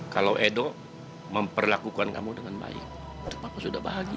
kalo edo memperlakukan kamu dengan baik itu papa sudah bahagia